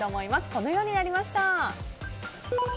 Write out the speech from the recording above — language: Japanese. このようになりました。